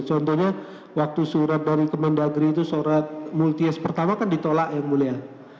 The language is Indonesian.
contohnya waktu surat dari ke mendagri itu surat multies pertama kan ditolak yang mulia